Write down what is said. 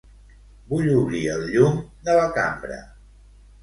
Vull obrir el llum de la cambra.